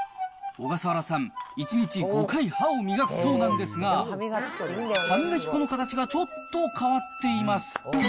小笠原さん、１日５回歯を磨くそうなんですが、歯磨き粉の形がちょっと変わっています。